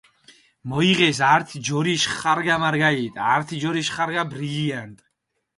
მოიღეს ართი ჯორიშ ხარგა მარგალიტი, ართი ჯორიშ ხარგა ბრილიანტი.